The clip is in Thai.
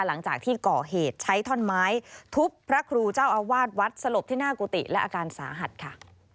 หลังจากที่ก่อเหตุใช้ท่อนไม้ทุบพระครูเจ้าอาวาสวัดสลบที่หน้ากุฏิและอาการสาหัสค่ะ